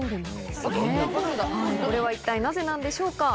これは一体なぜなんでしょうか？